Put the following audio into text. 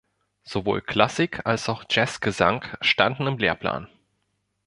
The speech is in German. Sowohl Klassik- als auch Jazzgesang standen im Lehrplan.